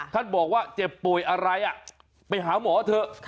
ท่านบอกว่าเจ็บป่วยอะไรไปหาหมอเถอะ